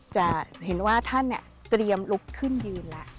จะเห็นว่าท่านเตรียมลุกขึ้นยืนแล้ว